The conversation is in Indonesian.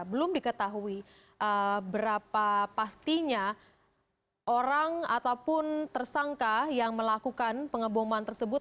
belum diketahui berapa pastinya orang ataupun tersangka yang melakukan pengeboman tersebut